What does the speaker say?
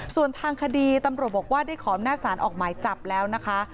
ส่วนทางคดีตำรวจบอกว่าได้ขออำนาจสารออกหมายจับแล้วนะคะ